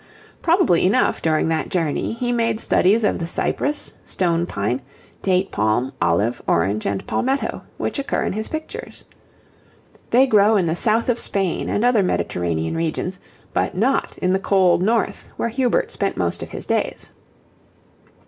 Probably enough during that journey he made studies of the cypress, stone pine, date palm, olive, orange, and palmetto, which occur in his pictures. They grow in the south of Spain and other Mediterranean regions, but not in the cold north where Hubert spent most of his days.